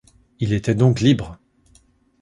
Il était donc libre!